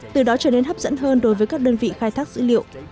từ đó trở nên hấp dẫn hơn đối với các đơn vị khai thác dữ liệu